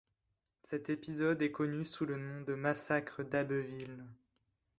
Cet épisode est connu sous le nom de massacre d'Abbeville.